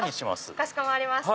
かしこまりました。